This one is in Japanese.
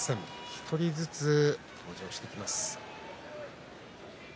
１人ずつ登場してきます。